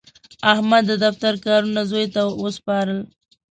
احمد د دفتر کارونه زوی ته وسپارل.